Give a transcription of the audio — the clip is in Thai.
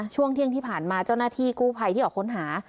ช่วงเที่ยงที่ผ่านมาเจ้าหน้าที่กู้ภัยที่ออกค้นหา